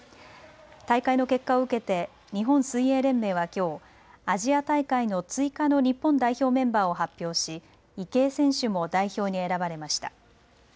大会の結果を受けて日本水泳連盟はきょう、アジア大会の追加の日本代表メンバーを発表し池江選手も代表に選ばれました。